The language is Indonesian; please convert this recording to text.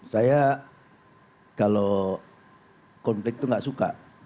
saya kalau konflik itu gak suka